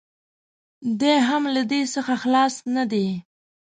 دی هم له دې څخه خلاص نه دی.